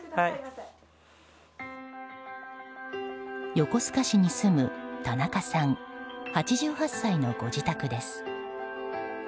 横須賀市に住む田中さん、８８歳のご自宅です。